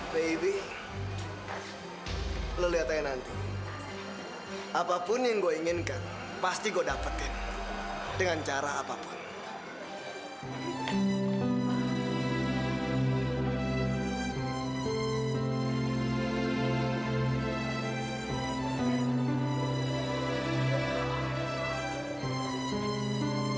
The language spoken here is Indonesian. baru sekarang gue liat cowok yang harus cabut pulang